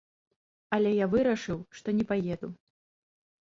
Але я вырашыў, што не паеду.